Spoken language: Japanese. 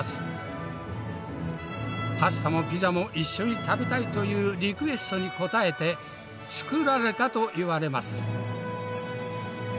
パスタもピザも一緒に食べたいというリクエストにこたえて作られたと言われます。